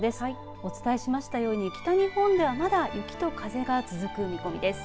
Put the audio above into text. お伝えしましたように北日本ではまだ雪と風が続く見込みです。